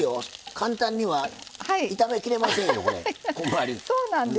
簡単には炒めきれませんよ、これ。